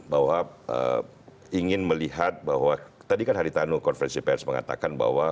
bahwa ingin melihat bahwa tadi kan haritano konferensi pers mengatakan bahwa